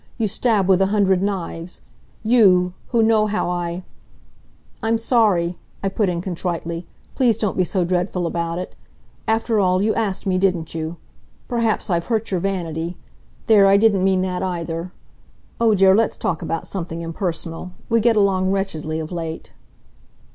You stab with a hundred knives you, who know how I " "I'm sorry," I put in, contritely. "Please don't be so dreadful about it. After all, you asked me, didn't you? Perhaps I've hurt your vanity. There, I didn't mean that, either. Oh, dear, let's talk about something impersonal. We get along wretchedly of late."